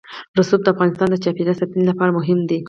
رسوب د افغانستان د چاپیریال ساتنې لپاره مهم دي.